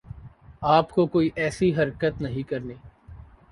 آپ کو کوئی ایسی حرکت نہیں کرنی